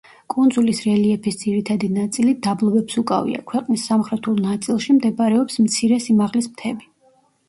კუნძულის რელიეფის ძირითადი ნაწილი დაბლობებს უკავია, ქვეყნის სამხრეთულ ნაწილში მდებარეობს მცირე სიმაღლის მთები.